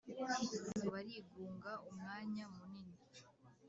Barigunga umwanya munini